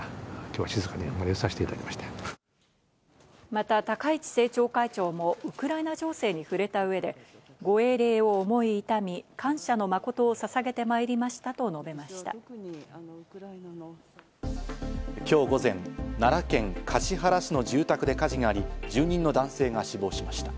また、高市政調会長もウクライナ情勢に触れた上でご英霊を思いいたみ、感謝の誠をささげてまいりましたと述べました。